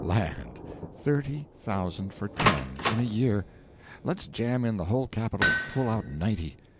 "Land, thirty thousand for ten in a year! Let's jam in the whole capital and pull out ninety!